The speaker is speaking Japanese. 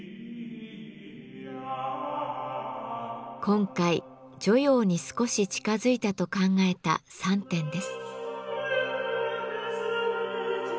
今回汝窯に少し近づいたと考えた３点です。